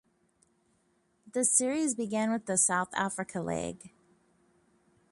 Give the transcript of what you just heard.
The series began with the South Africa leg.